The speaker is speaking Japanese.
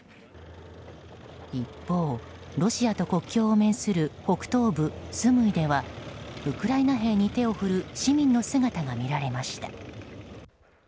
一方、ロシアと国境を面する北東部スムイではウクライナ兵に手を振る市民の姿が見られました。